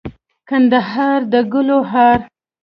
کندهار دګلو هار